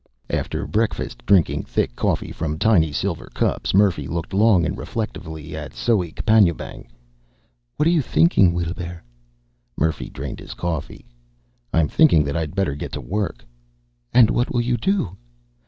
After breakfast, drinking thick coffee from tiny silver cups, Murphy looked long and reflectively at Soek Panjoebang. "What are you thinking, Weelbrrr?" Murphy drained his coffee. "I'm thinking that I'd better be getting to work." "And what do you do?"